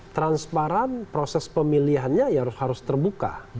transparan proses pemilihannya ya harus terbuka